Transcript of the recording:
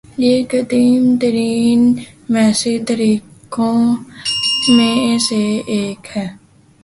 یہ قدیم ترین مسیحی تحریکوں میں سے ایک ہے